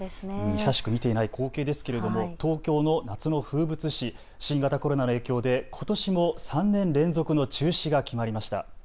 久しく見ていない光景ですけれども東京の夏の風物詩、新型コロナの影響でことしも３年連続の中止が決まりました。